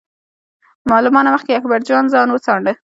له ما نه مخکې اکبر جان ځان وڅانډه.